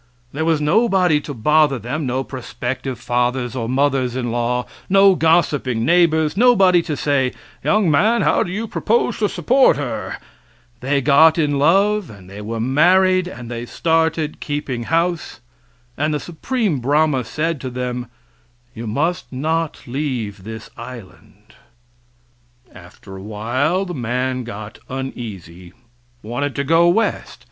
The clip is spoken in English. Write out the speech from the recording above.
There was nobody to bother them, no prospective fathers or mothers in law, no gossiping neighbors, nobody to say "Young man, how do you propose to support her" they got in love and they were married, and they started keeping house, and the Supreme Brahma said to them: "You must not leave this island." After awhile the man got uneasy wanted to go west.